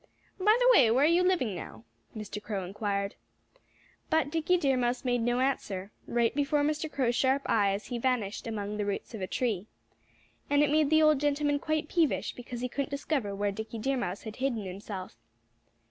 "By the way, where are you living now?" Mr. Crow inquired. But Dickie Deer Mouse made no answer. Right before Mr. Crow's sharp eyes he vanished among the roots of a tree. And it made the old gentleman quite peevish because he couldn't discover where Dickie Deer Mouse had hidden himself.